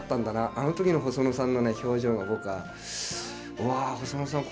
あの時の細野さんの表情が僕はうわ細野さん